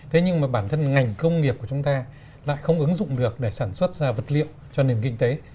thế nhưng mà bản thân ngành công nghiệp của chúng ta lại không ứng dụng được để sản xuất ra vật liệu cho nền kinh tế